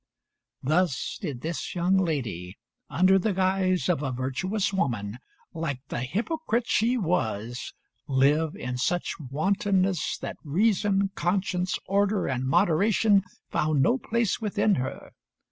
Thus did this young lady, under the guise of a virtuous woman, like the hypocrite she was, live in such wantonness that reason, conscience, order and moderation found no place within her.